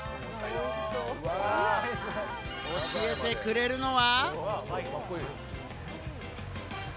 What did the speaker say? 教えてくれるのは。